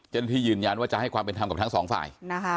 ที่ยืนยันว่าจะให้ความเป็นธรรมกับทั้งสองฝ่าย